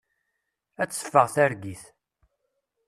Ad d-teffeɣ targit.